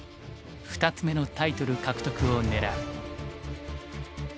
２つ目のタイトル獲得を狙う。